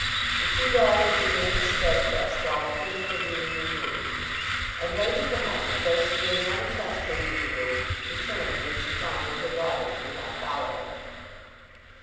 The two daughters remained steadfast while the things were being removed; and Lady Pomona, though she made one attempt to leave the room, returned when she found that her daughters would not follow her.